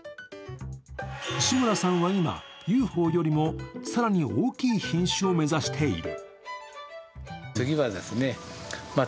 志村さんは今、雄宝よりも更に大きい品種を目指している。